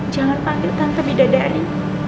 jangan panggil tante bidadari